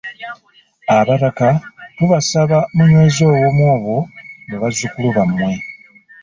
Abataka tubasaba munyweze obumu obwo mu bazzukulu bammwe.